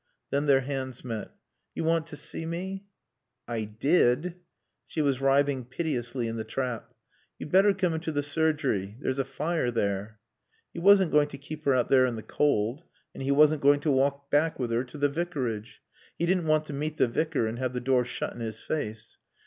Then their hands met. "You want to see me?" "I did " She was writhing piteously in the trap. "You'd better come into the surgery. There's a fire there." He wasn't going to keep her out there in the cold; and he wasn't going to walk back with her to the Vicarage. He didn't want to meet the Vicar and have the door shut in his face.